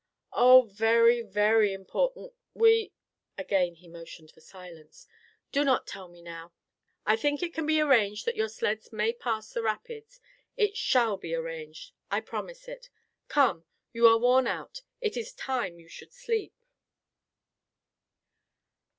"Oh, very, very important! We—" Again he motioned for silence. "Do not tell me now. I think it can be arranged that your sleds may pass the rapids. It shall be arranged. I promise it. Come, you are worn out. It is time you should sleep."